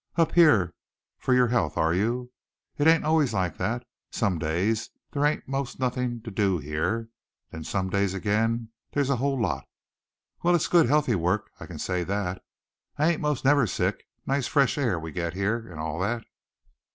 Up here for your health, are you? It ain't always like that. Somedays there ain't most nothin' to do here. Then somedays ag'in there's a whole lot. Well, it's good healthy work, I can say that. I ain't most never sick. Nice fresh air we git here and all that."